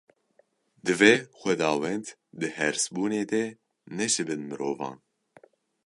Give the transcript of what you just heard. Divê Xwedawend di hêrsbûnê de neşibin mirovan.